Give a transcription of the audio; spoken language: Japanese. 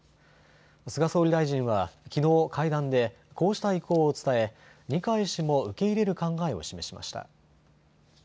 菅総理大臣は、きのう会談でこうした意向を伝え二階氏も受け入れる考えを示しました。